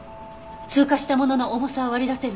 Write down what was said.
通過したものの重さは割り出せる？